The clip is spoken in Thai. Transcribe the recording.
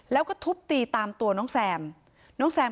แล้วก็ทุบตีตามตัวน้องแซม